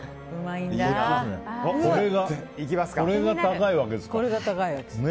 これが高いわけですから。